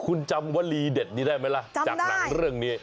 คุณจำวลีเด็ดนี้ได้ไหมล่ะจากหนังเรื่องนี้